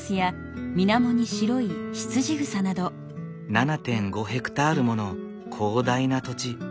７．５ヘクタールもの広大な土地。